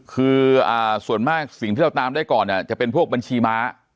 คือส่วนมากสิ่งที่เราตามได้ก่อนจะเป็นพวกบัญชีม้า